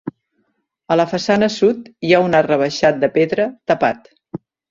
A la façana sud hi ha un arc rebaixat de pedra, tapat.